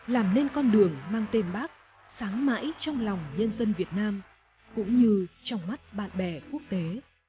làm nên con đường mang tên bác sáng mãi trong lòng nhân dân việt nam cũng như trong mắt bạn bè quốc tế